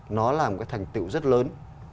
nó là một cái thành tựu rất lớn